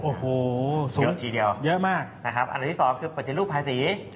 โอ้โหสูงเยอะทีเดียวเยอะมากอันดับที่๒คือปฏิรูปภาษี